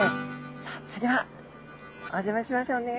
さあそれではお邪魔しましょうね。